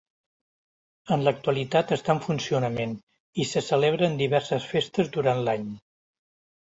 En l'actualitat està en funcionament i se celebren diverses festes durant l'any.